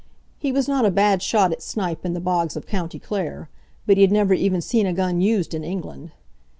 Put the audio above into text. He was not a bad shot at snipe in the bogs of county Clare, but he had never even seen a gun used in England.